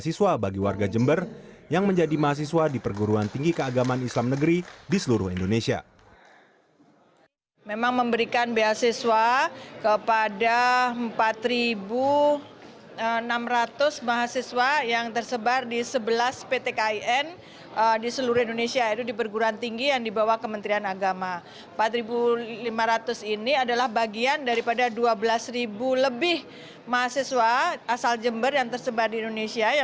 ketua panitia nasional ujian masuk perguruan tinggi keagamaan islam negeri prof dr mahmud menerima penghargaan dari museum rekor indonesia